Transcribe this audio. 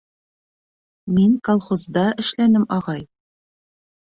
Мин колхозда эшләнем, ағай.